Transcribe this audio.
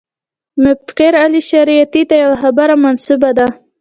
مفکر علي شریعیتي ته یوه خبره منسوبه ده.